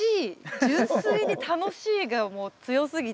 純粋に「楽しい」がもう強すぎて。